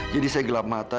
jadi saya gelap mata